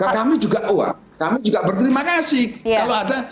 kami juga berterima kasih